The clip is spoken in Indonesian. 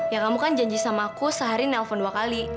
ya kamu kan janji sama aku sehari nelfon dua kali